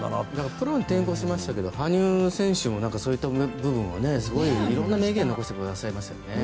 プロに転向しましたけど羽生選手もそういった部分も、すごい色んな名言を残してくださいましたよね。